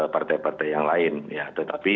partai partai yang lain ya tetapi